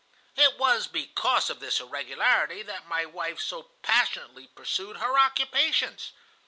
It was because of this irregularity that my wife so passionately pursued her occupations.